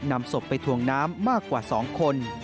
นำศพไปถ่วงน้ำมากกว่า๒คน